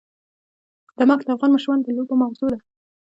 نمک د افغان ماشومانو د لوبو موضوع ده.